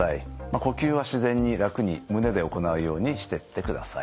呼吸は自然に楽に胸で行うようにしてってください。